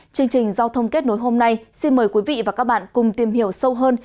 chương trình giao thông kết nối hôm nay xin mời quý vị và các bạn cùng tìm hiểu sâu hơn